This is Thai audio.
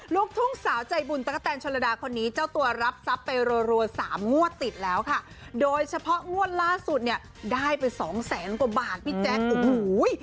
ลูกทุ่งสาวใจบุญตะกะแตนชนระดาคนนี้เจ้าตัวรับทรัพย์ไปรัวสามงวดติดแล้วค่ะโดยเฉพาะงวดล่าสุดเนี่ยได้ไปสองแสนกว่าบาทพี่แจ๊คโอ้โห